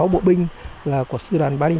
sáu mươi sáu bộ binh của sư đoàn ba bốn